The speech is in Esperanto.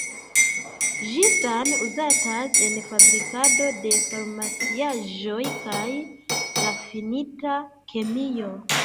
Ĝi same uzatas en fabrikado de farmaciaĵoj kaj rafinita kemio.